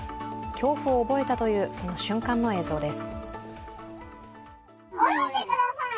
恐怖を覚えたという、その瞬間の映像です。